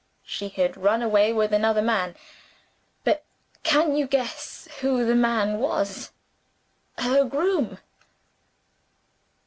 She had run away with another man. But can you guess who the man was? Her groom!"